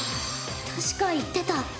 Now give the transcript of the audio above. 確か言ってた。